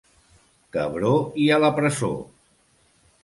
Cabró i a la presó!